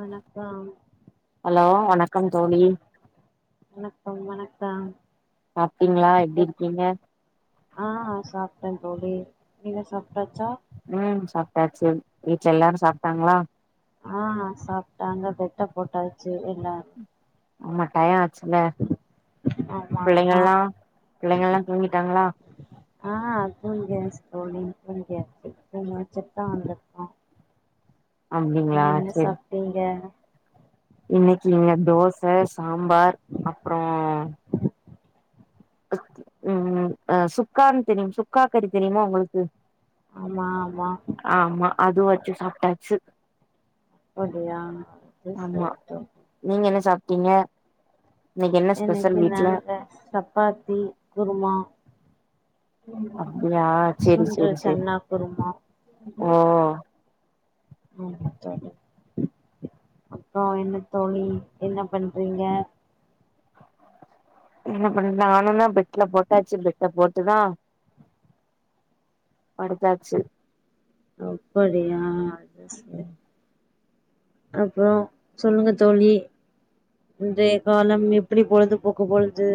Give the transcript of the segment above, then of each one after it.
வணக்கம் ஹலோ வணக்கம் தோழி வணக்கம் வணக் கம் சாப்டீங்களா எப்டி இருக்கீங்க ஆ சாப்ட்டே தோழி நீங்க சாப் ம் சாப் டாச்சு வீட்ல எல்லாரு சாப்ட்டாங்களா ஆ சாப்ட்டாங்க பெட்ட போட்டாச்சு ல்லா ஆமா டய ஆச்சுல ஆமா ஆமா பிள்ளைங்கலா பிள்ளைங்கள்லா தூங்கிட்டாங்ளா. ஆ தூங்கி ஏன்ச்சி தோழி தூங்கி ஏன்ச்சி தூங்கி ஏன்ச்சட் தா வந்தோ ஆ அப்டிங்களா நீங்க என்ன செரி சாப்ட்டீங்க இன்னைக்கு இங்க தோச சாம்பார் அப்றோ ம் ம் அ சுக்கான் தெரியும் சுக்கா கறி தெரியுமா உங்களுக்கு ஆமா ஆமா ஆமா அது வச்சு சாப்டாச்சு பூஜையா [unintelligible] கிங்க இன்னிக்கு நாங்க சப்பாத்தி குரும்மா அப்டியா செரி செரி சுண்டல் செரி சென்னா குரும்மா ஓ ஆமா தோழி அப்புற என்ன தோழி என்ன பண்றீங்க என்ன பண்ண நானோலா பெட் ல்ல போட்டாச்சு பெட்லா போட் இதுதா படுத்தாச்சு அப்டியா அது செரி அப்றம் சொல்லுங்க தோழி இன்றய காலம் எப்டி பொழுது போக்கு பொழுச்சி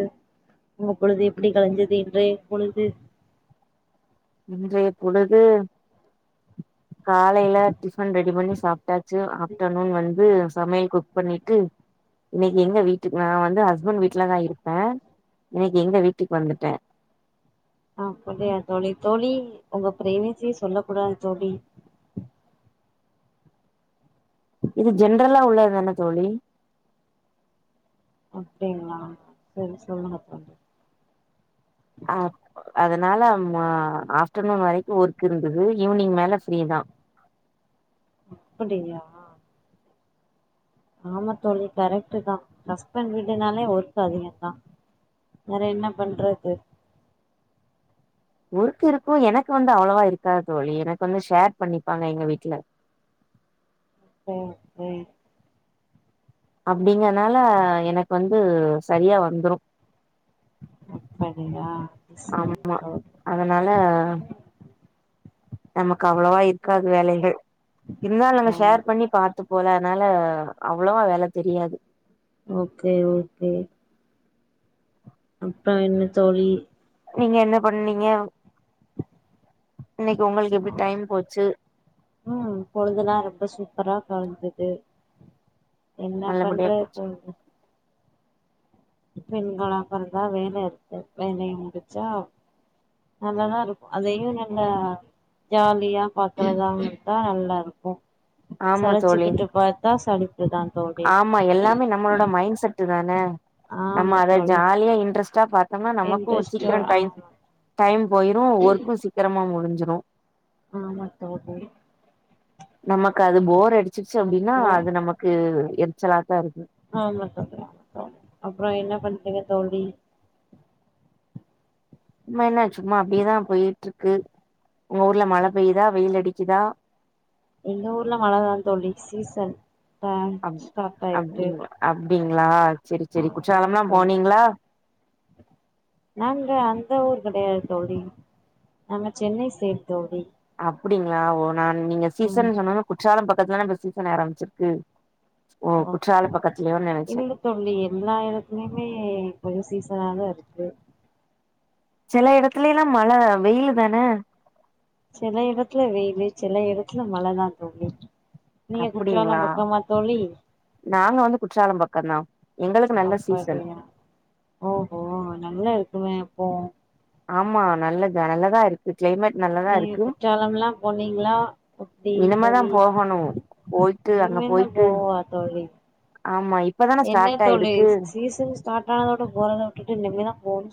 உங்க பொழுது எப்டி கலஞ்சது இன்றய பொழுது இன்றய பொலுது காலைல டிஃபன் ரெடி பண்ணி சாப்டாச்சு ஆஃப்டனூன் வந் து சமயல் குக் பண்ணிட்டு இன்னிக்கு எங்க வீட்டுக் நா வந்து ஹஸ்பண் வீட்லதா இருப்பே இன்னிக்கு எங்க வீட்டுக் வந்துட்ட அ புரியா தோழி தோழி உங்க ப்ரைவசிய சொல்ல கூடாது தோழி இது ஜென்ரலா உள்ளதுதான தோழி அப்டிங்களா செரி சொல்லுங்க தோழி அப் அதனால ம ஆஃப்டனூன் வரைக்கு ஒர்க் இருந்தது ஈவினிங் மேல ஃப்ரீதா அப்படியா ஆமா தோழி கரெக்டுதா அஸ்பண்ட் வீடுனாலே ஒர்க் அதிகந்தா வேற என்ன பண்றது ஊருக்கு இருக்கும் எனககு வந்து அவ்ளவா இருக்காது தோழி எனக்கு வந்து ஷேர் பண்ணிப்பாங்க எங்க வீட்ல செரி சேரி அப்டிங்கனால எனக்கு வந்து சரியா வந்துரும் அப்படியா சரி ஆமா தோ அம்ம அவ்வளவா இருக்காது வேலைகள் இருந்தாலும் நாங்க ஷேர் பண்ணிப்பாத்து இவ்ள நாளா அ அவ்வளவா வேல தெரியாது ஓக்கே ஓக்கே அப்ற என்ன தோழி நீங்க என்ன பன்னீங்கே இன்னிக் உங்களுக் எப்டி டைம் போச்சு தந்தது [unintelligible] என்ன நல்லபடியா போச்சு பண்றப்ழுது [unintelligible] பெண்களபொறந்தா வேல இருக்கு வேலய முடிச்சா நல்லதா இருக் அதையு நல்ல ஜாலியா பாக்குறதாயிருந்தா நல்லா இருக்கோ ஆமா தோழி சலச்சுகிட்டு பாத்தா சளிப் ஆமா எல்லாமே நம்மளோட மைண்ட் செட்டு தானே நம்ம ஆமா அத தோழி ஜாலியா இன்ட்ரெஸ்ட் ப [unintelligible] ஆமா நமக்கும் இன்ட்ரெஸ்ட் சீக்கிர டைம் ஆமா டைம் போயிரோ ஒர்க்கு சீக்கிரமா முடி நோ [unintelligible] ம் மத்தது [unintelligible] நமக்கு அது போர் அடி வச்சுச்சு அப்படின்னா அப்றோ அது நமக்கு எரிச்சலா ஆமா சொல்ற அப்றம் என்ன பண் இல்ல தோழி இனும் என்ன சும்மா அப்டியேதா போயிடுருக்கு உங்க ஊர்ல மழ பெய்தா வெயில் அடிகுதா எங்க ஊர்ல மலதான் தோலி சீசன் தா அப் ஸ்டாட் ஆயடு அப்டிங்களா அப்டிங்களா செரி செரி குற்றால எல்லா போனீங்களா நாங்க அந்த ஊர் கெடயாது தோழி நாங்க சென்னை சைடு தோழி அப்டிங்ளா ஒ நான் நீங்க ம் சீசன் சொன்னன்ன குற்றாலம் பக் இப்பதா நம்ம சீசன் ஆரம்பிச்சிருக்கு ஓ குற்றால ஓஹோ பக்கத்துலயோன்னு நெனச்சே இதுன தெர்ல எல்லா இடதுலயுமே கொஞ்ச சீசன தா இருக்கு உம் சில எடத்லியெல்லாம் மழ வெயிலு தானே சில இடதுல வெயிலு சில இடதுல மழதா தோலி நீங்க குச்சலா அப்டிங்களா பக்கமா தோலி நாங்க வந்து குற்றாலம் பக்கந்தா எங்களுக்கு நல்ல சீசன் அப்டியா ஓஹோ நல்லா இருக்குமே போ [unintelligible] ஆமா நல்லது நலதா இருகு நீங்க குற்றாலலாம் போனீங்களா எப்டி இனிமேதா தோலி போகணு போயிட்டு அங்க இனிமே தா போயிட்டு போவா தோலி ஆமா இப்பதான என்ன ஸ்டார்ட் தோலி ஆயிருக்கு சீசன் ஸ்டார்ட் ஆனத விட போறத விட்டுடு இனிமேதா போ [unintelligible]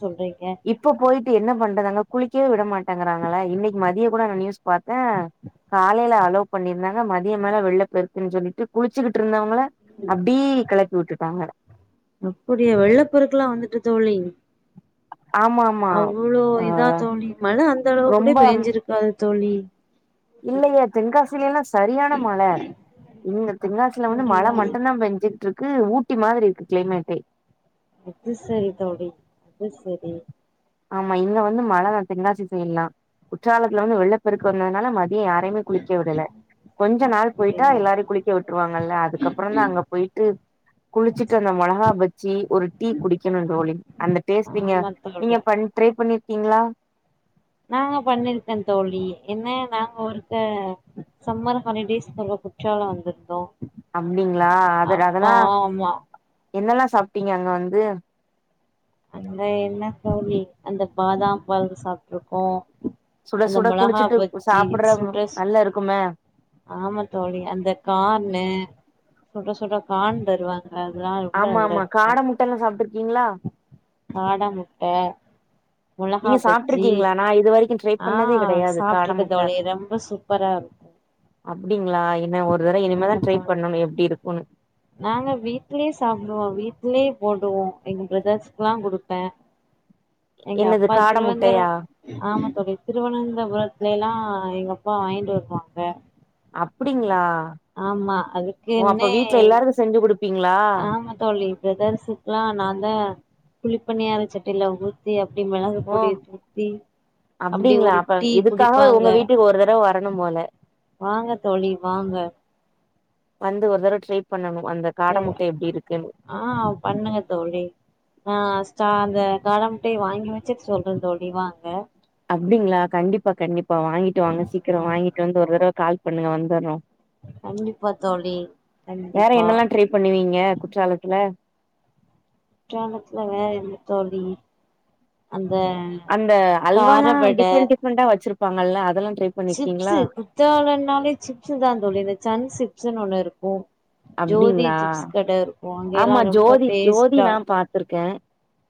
இப்ப போயிட்டு என்ன பண்றதுனா குளி க்கவெ வி மாட்டேங்கறாங்களே இன்னிக் மதிய கூட நா நியூஸ் பாத்தே காலையில அலோ பண்ணியிருந்தாங்க மதிய மேல வெள்ள பெருக்குன் சொல்லிட்டு குளிச்சுகிட்டு இருந்தவங்கள அப்டீ கிளப் வுட்டுட்டாங்க அப்டியா வெள்ளபெருக்குளா வந்துட்டு தோழி ஆமா ஆமா அவ்ளோ ஆ இதா தோழி மழ அந் இந்தளயு கூட பேஞ்சிருக்காது தோழி இல்லயே தென்காசியிலேல்லா சரியான மழ ம் தென்காசியிலவந்து மழ அப்படியா மட்டுந்தா பெஞ்சிட்ருக் கு ஊட்டி மாரி இருக்கு க்ளைமேட்டே அது சரி தோடி அது சரி ஆமா இங்க வந்து மழதா தென்காசி சைடெல்லா குற்றாலத் துல வெள்ளப் பெருக்கு வந்ததுனால மதிய யாரையுமே குளிக்க விடல கொஞ்ச நாள் போயிட்டா அப்படியா எல்லாரையு குளிக்க விட்டுருவாங்கல்ல அதுக்கப்புற தா அங்க போயிட்டு குளிச்சுட்டு அந்த மொளகா பச்சி ஒரு டீ குடிக்குணு தோழி அந்த டேஸ்ட் ஆமா இங்க நீங்க தோழி பன் ட்ரை பண்ணி கிங்ளா நாங்க பண்ணிருக்கே தோழி என்ன நாங்க ஒருத்த சம்மர் ஹாலிடேஸ் சொல்ல குற்றால வந்து அப்டிங்களா அத அதரா ஆமா என்னல்லா சாப்ட்டீங்க அங்க வந்து அங்க என்ன தோழி அந்த பாதாம் பால் சாப்ட்டுருக்கோ சுட அந்த சுட மொளகா குளிச்சுட்டு பஜ்ஜி சாப்புட்ற சுட சு நல்லா இருக்குமே ஆமா தோழி அந்த காணு சுட சுட கான் தருவாங்க அதெல்லா ரொம்ப நல்லா ஆமாமா காட முட்டல்லா சாப்ட்டுருக்கீங்களா காட முட் ட்ட நீங் சாப்ட்டுருக்கீங்களா நா இது வரைக்கு ட்ரை ஆ பண்ணதே கெடையாது காட சாப்ட்ருக்க முட்ட தோழி ரொம்ப சூப்பரா இருக் அப்டிங்களா என்ன ஒரு தடவ இனிமேதா ஆமா ட்ரை தோழி பண்ணணு எப்டி இருக்குன்னு நாங்க வீட்டிலியே சாப்டுவோ வீட்டிலியே போடுவோ எங்க ப்ரதர்ஸ்க்ல்லா குடுப்பே எங்க என்னது அப்பா காட திருவனந்தர முட்டையா ஆமா தோழி திருவனந்தபுரத்துலல்லா எங்க ப்பா வாங்ட்டு வருவாங்க அப்டிங்களா ஆமா ஓ அப்ப அதுக்குன்னே வீட்ல எல்லாருக்கு செஞ்சு குடு ஆமா தோழி பிரதர்ஸுக்ல்லா நாந்தா குளிப் ப்பணியாரச்சட்டுயில ஊத்தி அப்டி மெளகா ஓ பொடிய தூத்தி அப்டி அப்டிங்களா ஒரு அப்ப டீ இதுக்காக உங்க குடிப்பாங்க வீட்டுக்கு ஒரு தடவ வரணு போல வாங்க தோழி வாங்க வந்து ஒரு தடவ ட்ரை பண்ணனு சேரியா பண்ணுங்க தோழி நா சா அந்த காட முட்டைய வாங்கி வெச்சு சொல்றந் தோழி வாங்க அப்டிங்களா கண்டிப்பா கண்டிப்பா வாங்கிட்டு வாங்க சீக்கிரோ ஆ வாங்கிட்டு வந்து ஒரு தடவ கால் பண்ணுங்க வந்துறோ கண்டிப்பா தோழி வேற கண்டிப்பா என்னல்லா ட்ரை பண்ணுவீங்க குற்றாலத்துல குற்றாலத்துல வேற என்ன தோழி அந் அந்த அல்வாலா டிஃப்ரெண்ட் டிஃப்ரெண்டா வெச்சுருப் ப்பாங்கல்ல அதெல்லாம் சிப்ஸு குத்தாலனாலே சிப்ஸுதா இந்த சன் சிப் ஸுன்னு ஒண்ணு இருக்கு ஜோதி அப்டிங்களா சிப்ஸ் கட இருக்கு அங்கெல்லா ஆமா ரொம்ப ஜோதி ஜோதி நா பாத்துருக்க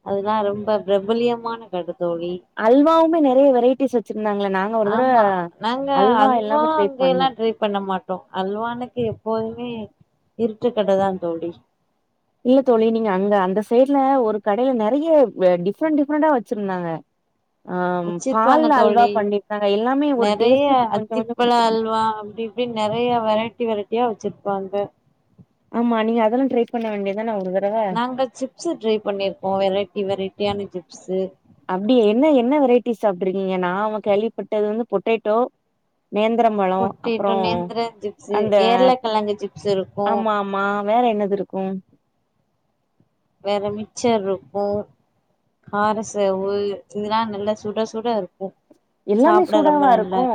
அதுல்லா ரொம்ப பிரபுலியமான எடோ தோழி அல்வாவுமே நெறைய வெரைட்டிஸ் வச்சிருந்தாங்களே நாங்க ஒரு தடவ ஆமா நாங்க அல்வா எல்லாமே ட்ரை அங்க பண்ணோ எல்லா ட்ரை பண்ண மாட்டோ அல்வானுக்கு எப்போதுமே இருட்டுக்கடதாந் தோழி தேட்ல ஒரு கடையில நெறைய டிஃப்ரெண்ட் டிஃப்ரெண்ட்டா வெச்சுருந்தாங்க வெச்சுருப்பாங்க தோழி பண்ணிருந்தாங்க எல்லாமே ஒரு நெறைய டேஸ்ட்டுக்கு கொஞ்ச கொஞ்ச அத்திப்பழ குடுத்து அல்வா அப்டி இப்டின் நெறைய வெரைட்டி வெரைட்டியா வெச்சுருப் பாங்க ஆமா நீங்க அதெல்லாம் ட்ரை பண்ண வேண்டியது நாங்க சிப்ஸு ட்ரை பண்ணிருக்கோ வெரைட்டி வெரைட்டியான சிப் ஸு அப்டியே என்ன என்ன வெரைட்டி சாப்டுருக்கீங்க நா அங்க கேள்விப்பட்டது வந்து பொட்டேட்டோ நேந்ரம்பழோ அப்புறோ பொட்டேட்டோ நேந்திர சிப்ஸு அந்த ஏர்லக்கெழங்கு சிப்ஸ் இருக்கு ஆமா ஆமா வேற என்னது இருக்கு வேற மிச்சர் இருக்கு கார சேவு இதெல்லா நல்லா சுட சுட இருக்கு எல்லாமே சூடாவா இருக்கு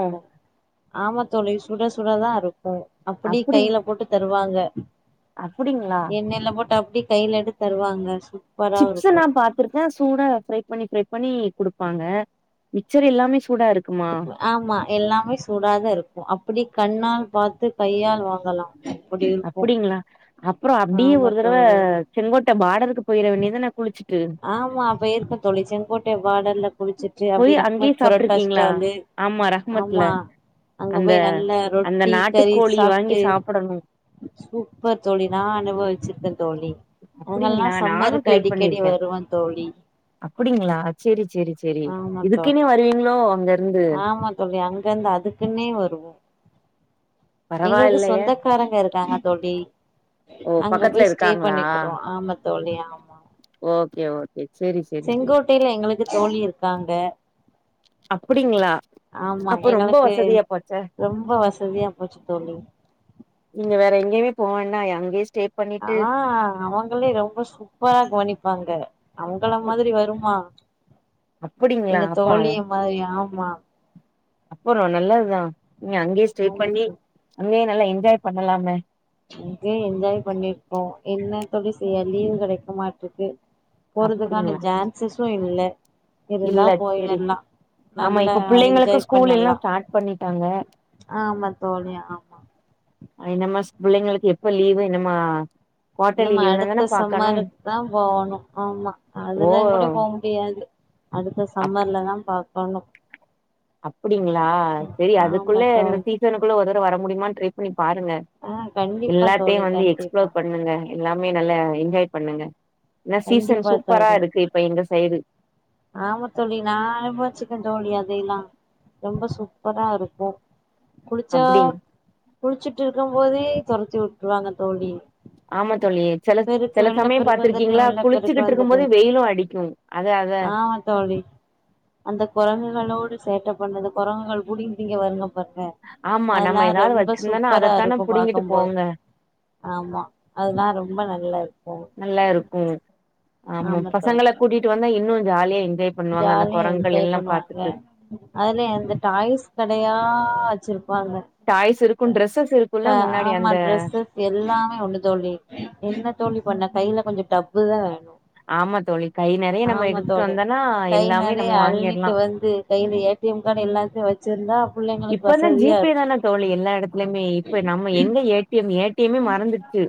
ஆமாத்தோழி சுட சுடதா இருக் கு அப்புடி அப்டி கையில போட்டு தருவாங்க அப்டிங்களா என்ணெயில்ல போட்டு அப் டி கைல எடுத் தருவாங்க சூப் சிக்ஸு நா பாத்துருக்க சூடா ஃப்ரை பண்ணி ஃப்ரை பண்ணி குடுப்பாங்க மிக்சரு எல்லாமேஸ் ஆமா எல்லாமே சூடாத இருக்கு அப்படி கண்ணால் பாத்து கையால் வாங்கலா அப்டி இருக்கு அப்டீங்ளா அப்றோ அப்டியே ஆமா ஒரு தரவ தோழி செங்கோட்ட பாட் டருக்கு போயிர வேண்டியதான குளிச்சு ஆமா போயிருக்கே தோழி செங்கோட்ட பாடர்ல குளிச்சுட்டு அப்டி போய் அங்கயே ரஹ்மத் பரோட்டா சாப்ட்ருக்கீங்களா ஸ்டாலு ஆமா ரஹ்மத்ல ஆமா அங்க அந்த போய் நல்லா அந்த ரொட்டி கறி நாட்டுக்கோழி வாங்கி சாப்ட்டு சாப்டணு சூப்பர் தோழி நா அனுபவிச்சிருக்கே தோழி அவங்கல்லா அப்டிங்களா நானு சம்மருக்கு ட்ரை அடிக்கடி பண்ணிருக்கே வருவோ தோழி அப்டிங்களா சேரி சேரி சேரி ஆமா இதுக்குன்னே தோழி வருவீங்களோ அங்க இருந்து ஆமா தோழி அங்கந்து அதுக்குன்னே வருவோ எங்களுக்கு பரவாயில்லையே சொந்தக்காரங்க இருக்காங்க தோழி ஓ அங்க பக்கத்துல போய் ஸ்டே இருக்காங்களா பண்ணிக்கிடுவோ ஆமா தோழி ஆமா ஓகே ஓகே சேரி சேரி சேரி செங்கோட்டைல எங்களுக்கு தோழி இருக்கு காங்க அப்டிங்களா ஆமா அப்ப ரொம்ப எங்களுக்கு வசதியா போச்சே ரொம்ப வசதியா போச்சு தோழி ங்கேமே போ வேண்டா எங்கயு ஆ அவங்களு ரொம்ப சூப்பரா கவனிப்பாங்க அவுங்கள மாதிரி வருமா அப்படிங்ளா அப்ப அவொ வா அப்பறோ நல்லதுதா நீ அங்கயே ஸ்டே பண்ணி அங்க நல்லா என்ஜாய் பண்ணலாமே இங்கே என்ஜாய் பண்ணிருப்போ என்ன தொழி செய்ய லீவு கெடைக்க மாட்டெக்கு போறதுக்கான அப்டிங்களா ஜான்சேஸ் ஸு இல்ல இருந்தா இல்ல சேரி சே போயிர்லா ஆமா நல்லா இப்ப பிள்ளைங்களுக்கு என்ஜாய் ஸ்கூல் எல்லா பண்ணலா ஸ்டார்ட் பண்ணிட்டாங்க இன்னம்ம பிள்ளைங்களுக்கு எப்ப லீவு இன்னமா இனுமே அடுத்த சம்மருக்கு தா போணு ஆமா ஓ அதுலா கூட போ முடியாது அடுத்த அப் சம்மர்ல தா பாக் பனா அப்டிங்களா சேரி அதுக்குள்ள இந்த தோழி சீசனுக்குள்ள ஒரு தட வர முடியுமான் ட்ரைப் பண்ணி பாருங்க ஆ கண்டிப்பா தோழி எல்லாத்தையும் வந்து கண்டிப்பா எக்ஸ்ப்ளோர் பண்ணுங்க எல்லாமே பே நல்லா என்ஜாய் பண்ணுங்க என்ன சீசன் கண்டிப்பா சூப்பரா தோழி இருக்கு இப்ப எங்க சைடு ஆமா தோழி நா அனுபவிச்சிருக்கே தோழி அதையெல்லா ரொம்ப சூப்பரா இருக்கு குளுச்சா அப்டிங் குளிச்சுட்டு இருக்கும் போதே தொரத்தி உட்ருவாங்க தோழி ஆமா தோழி செல பெருக்கு செல வெள்ள சமயம் பெருக்கு வந்துட்டு பாத்துருகீங்ளா வெள்ள பெருக்கு குளிச்சுகிட்டு இருக்கும் வந்துட்டு போது வெயிலு அடிக்கும் அதா அதா ஆமா தோழி அந்த கொரங்குகளோடு சேட்ட பண்ணது கொரங்குகள் கூடி இங்க வருனும் வர்ற ஆமா அதெல்லா நம்ம ஏதாவது ரொம்ப வச்சிருந்தோனா சூப்பரா அதத்தானே இருக்கு புடுங்கிட்டு பாக்கும்போது போங்க ஆமா அதெல்லா ரொம்ப நல்லாருக்கு நல்லா இருக்கும் ஆமா தோழி பசங்கள கூட்டிட்டு வந்தா இன்னும் ஜாலியா என்ஜாய் பண்ணுவாங்க அந்த ஜாலியா குரங்குகள் என்ஜாய் எல்லாம் பண்ணுவாங்க பாத்துட்டு அதுல அந்த டாய்ஸ் கடையா வெச்சுருப் பாங்க டாய்ஸ் இருக்கும் டிரெஸ்ஸஸ் இருக்கும்ல அ முன்னாடி ஆமா அந்த ட்ரெஸு எல்லாமே ஒண்ணு தோழி என்ன தோழி பண்ண கையில கொஞ்ச டப்புதா வேணு ஆமா தோழி கை நெறைய நம்ம ஆமா எடுத்துட்டு தோழி வந்தனா கை நெறைய அள்ளிட்டு வந்து கையில ஏ டி எம் கார்டு எல்லாத்தையு வெச்சுருந்தா புள்ளங்களுக்கு இப்பதா வசதியா ஜிபே இருக்கு தானே தோழி எல்லா ஏ டி எம்யே மறந்துருச்சு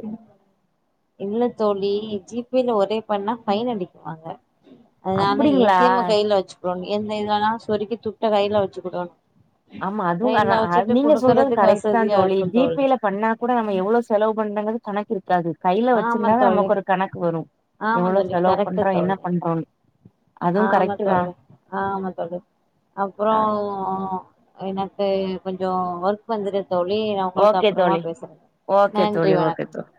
இல்ல தோழி ஜிப்பேல ஒ ஒரே பண்ணா ஃபைனல் எப்டி போவாங்க அதனால ஏ டி அப்டிங்களா எம்ம கையில வெச்சுக்கணு எந்த இதுலனா சொருகி தூக் ட கையில வெச்சுக்குடுவாங்க ஆமா அதுவு கரா அ நீங்க சொல்றதும் குடுக்கறதுக்கு கரெக்டுதா வசதியா தோழி இருக்கு ஜிபேல பண்ணா கூட நம்ம எவ்ளோ செலவு பண்றங்குறது கணக்கு இருக்காது கை ஆமா தோழி ஆமாந் எவ்ளோ தோழி செலவு கரெக்டு பண்றோம், என்ன தோழி பண்றோம்னு. அதுவும் ஆமா கரெக்ட் தான். தோழி ஆமா தோழி அப்புறோ அ எனக்கு கொஞ்சோ ஒர்க் வந்துரு தோழி நா உங்ளுக்கு ஓகே அப்பறமா தோழி. பேசுற ஓகே நன்றி தோழி, ஓகே வணக்கம் தோழி